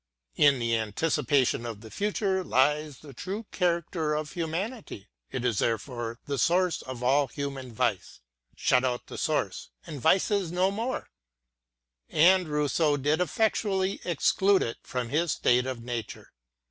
In the anticipation of the future lies the true character of humanity; it is therefore the source of all human vice. Shut out the source, and vice is no more; — and Rousseau did effectually exclude it from his State of Nature.